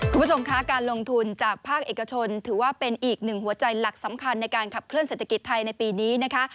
คุณผู้ชมคะการลงทุนจากภาคเอกชนถือว่าเป็นอีกหนึ่งหัวใจหลักสำคัญในการขับเคลื่อเศรษฐกิจไทยในปีนี้นะคะ